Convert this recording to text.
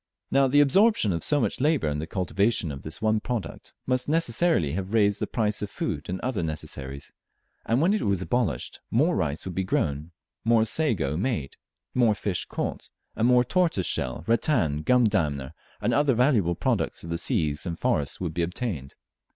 Now the absorption of so much labour in the cultivation of this one product must necessarily have raised the price of food and other necessaries; and when it was abolished, more rice would be grown, more sago made, more fish caught, and more tortoise shell, rattan, gum dammer, and other valuable products of the seas and the forests would be obtained.